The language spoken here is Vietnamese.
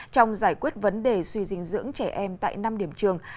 trong giải quyết vấn đề suy dinh dưỡng trẻ em tại năm điểm trường